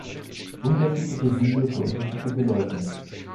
Unterschiedliche Hübe für unterschiedliche Leute.